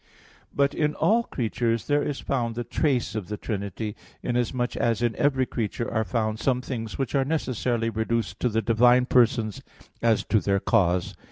But in all creatures there is found the trace of the Trinity, inasmuch as in every creature are found some things which are necessarily reduced to the divine Persons as to their cause.